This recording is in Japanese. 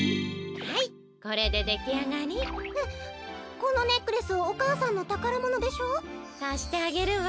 このネックレスお母さんのたからものでしょ？かしてあげるわ。